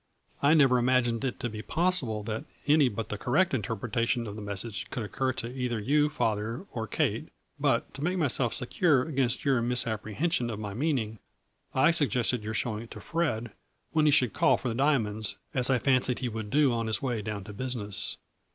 I never imagined it to be possible that any but a correct interpretation of the message could occur to either you, father, or Kate, but, to make myself secure against your misappre hension of my meaning, I suggested your showing it to Fred when he should call for the diamonds, as I fancied he would do on his way down to business.